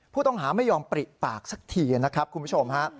ผู้ต้องหาไม่ยอมปริปากสักทีนะครับคุณผู้ชมฮะ